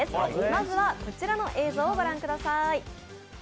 まずはこちらの映像を御覧ください。